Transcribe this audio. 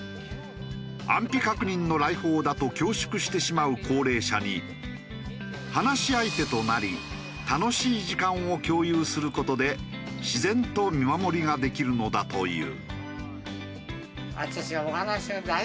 安否確認の来訪だと恐縮してしまう高齢者に話し相手となり楽しい時間を共有する事で自然と見守りができるのだという。